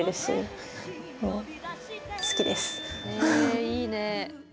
えいいね。